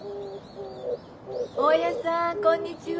大家さんこんにちは。